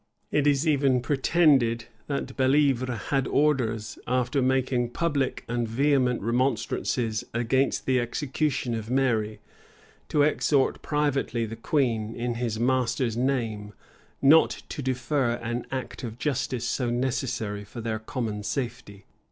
[*] It is even pretended, that Bellievre had orders, after making public and vehement remonstrances against the execution of Mary, to exhort privately the queen, in his master's name, not to defer an act of justice so necessary for their common safety.